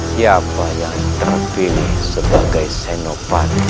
siapa yang terpilih sebagai senopat